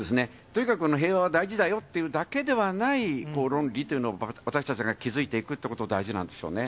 とにかく平和は大事だよっていうだけではない論理というのを、私たちが築いていくということが大事なんですよね。